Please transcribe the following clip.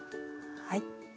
はい。